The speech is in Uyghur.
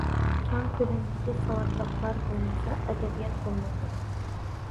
كەڭ كۆلەمدىكى ساۋاتلىقلار بولمىسا ئەدەبىيات بولمايدۇ.